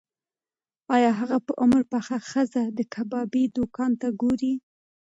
ایا هغه په عمر پخه ښځه د کبابي دوکان ته ګوري؟